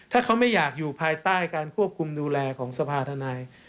ถ้าเขาไม่อยากอยู่ภายใต้การควบคุมดูแลของสภาธนาย